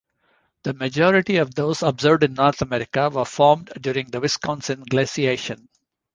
The majority of those observed in North America were formed during the Wisconsin glaciation.